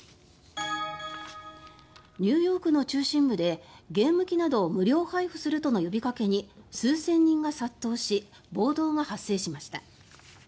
ニューヨークの中心部でゲーム機などを無料配布するとの呼びかけに数千人が殺到し暴動が発生しました。